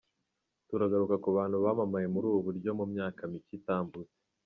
Turagaruka ku bantu bamamaye muri ubu buryo mu myaka micye itambutse.